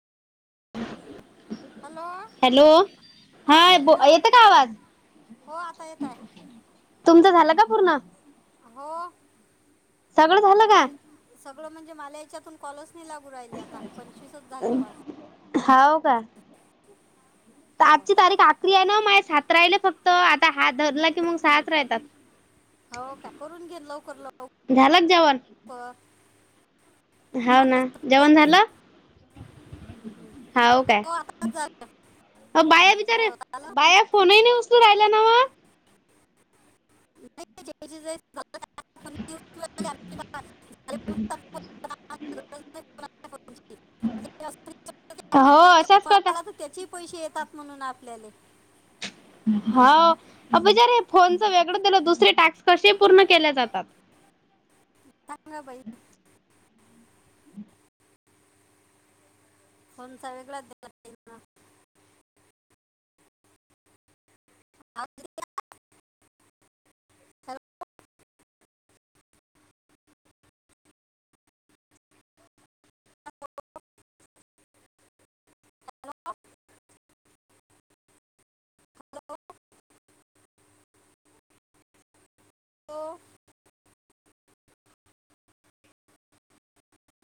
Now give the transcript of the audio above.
Hello? हां बोल ना? हो आता येत आहे. तुमचं झालं का पूर्ण? हो [unintelligible] सगळं म्हणजे माला याच्यातून कॉलच नाही लागू राहिले आता पंचवीसच झाले कॉल. हाव का? तर आजची तारीख आखरी आहे ना माझे सात राहिले फ क्त आता हा धरला की मग सात राहतात. करून घे लवकर लवकर. हाव ना जेवण झालं? हाव काय? [unintelligible] भैया फोनही नाही उचलू राहिला नव्हं? [inaudible] [inaudible] [unintelligible] हो असंच करता. त्याचेही पैसे येतात म्हणून आपल्याले. हो अ [unintelligible] फोनच वेगळं त्याला दुसरे टास्क कसे पूर्ण केले जातात? [inaudible] फोनचा वेगळा [unintelligible] [inaudible] हो.